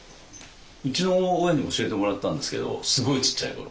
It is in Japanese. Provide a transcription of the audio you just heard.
うちの親に教えてもらったんですけどすごいちっちゃい頃。